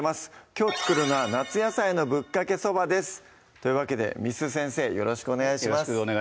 きょう作るのは「夏野菜のぶっかけそば」ですというわけで簾先生よろしくお願いします